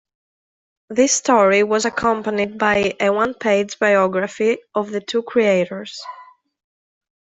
This story was accompanied by a one-page biography of the two creators.